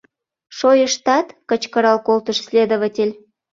— Шойыштат! — кычкырал колтыш следователь.